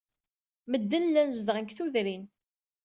Medden llan zeddɣen deg tudrin.